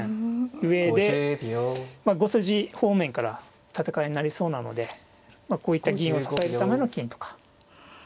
上で５筋方面から戦いになりそうなのでこういった銀を支えるための金とか。